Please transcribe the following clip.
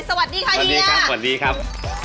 สวัสดีค่ะเฮียสวัสดีครับสวัสดีครับสวัสดีครับ